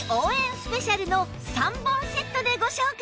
スペシャルの３本セットでご紹介！